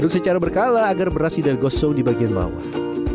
aduk secara berkala agar berasi dan gosong di bagian bawah